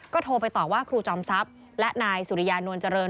โทรไปต่อว่าครูจอมทรัพย์และนายสุริยานวลเจริญ